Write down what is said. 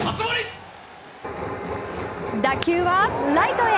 打球は、ライトへ。